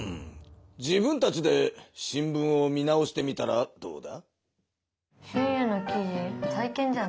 自分たちで新聞を見直してみたらどうだ？